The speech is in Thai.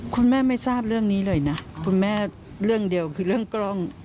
คุณแม่ไม่ทราบเรื่องนี้เลยนะคุณแม่เรื่องเดียวคือเรื่องกล้อง